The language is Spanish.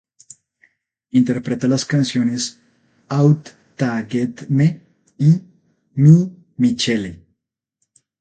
Interpreta las canciones "Out Ta Get Me" y "My Michelle".